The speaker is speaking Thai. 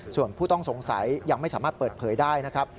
ส่วนผู้ต้องสงสัยยังไม่สามารถเปิดเผยได้นะครับ